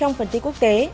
trong phần tiết quốc tế